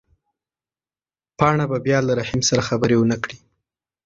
پاڼه به بیا له رحیم سره خبرې ونه کړي.